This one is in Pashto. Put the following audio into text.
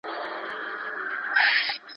هغوی په خپله برخه کي ډېر لایق خلک دي.